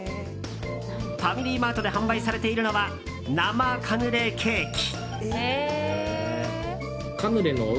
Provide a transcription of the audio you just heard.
ファミリーマートで販売されているのは生カヌレケーキ。